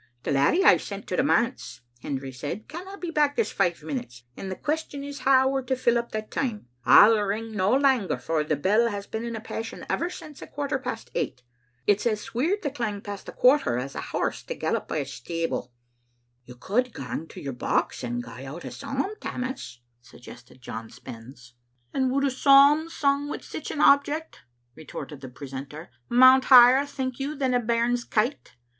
"The laddie I sent to the manse,'* Hendry said, " canna be back this five minutes, and the question is how we're to fill up that time. 1*11 ring no langer, for the bell has been in a passion ever since a quarter past eight. It*s as sweer to clang past the quarter as a horse to gallop by its stable.*' " You could gang to your box and gie out a psalm, Tammas," suggested John Spens, Digitized by VjOOQ IC 3M tTbe little Atni0tet« "And would a psalm sung wi' sic an object," re torted the precentor, " mount higher, think you, than a baim*s kite?